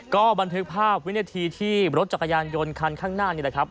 ก็บันทึกภาพวินาทีที่รถจักรยานยนต์คันข้างหน้านี่แหละครับ